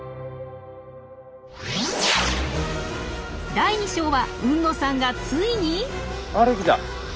第２章は海野さんがついに！